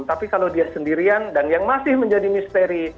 tapi kalau dia sendirian dan yang masih menjadi misteri